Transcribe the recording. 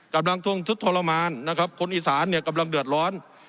กำลังทรุดทรมานคนอีสานกำลังเดือดร้อน